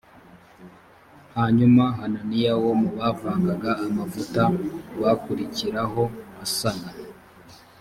hanyuma hananiya wo mu bavangaga amavuta bakurikiraho asana